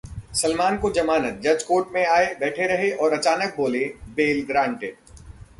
सलमान को जमानत: जज कोर्ट में आए... बैठे रहे.. और अचानक बोले- बेल ग्रांटेड